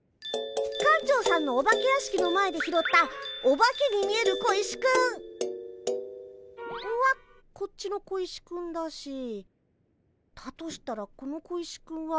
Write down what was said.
館長さんのお化け屋敷の前で拾ったお化けに見える小石くん！はこっちの小石くんだしだとしたらこの小石くんは。